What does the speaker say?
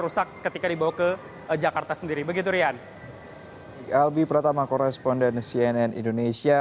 rusak ketika dibawa ke jakarta sendiri begitu rian albi pratama koresponden cnn indonesia